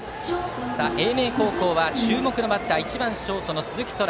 英明高校は注目のバッター１番ショート、鈴木昊。